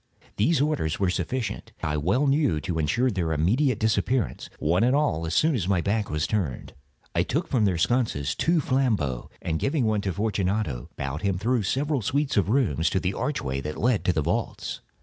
These orders were sufficient, I well knew, to insure their immediate disappearance, one and all, as soon as my back was turned. I took from their sconces two flambeaux, and giving one to Fortunato, bowed him through several suites of rooms to the archway that led into the vaults.